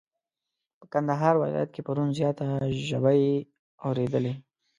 په کندهار ولايت کي پرون زياته ژبی اوريدلې.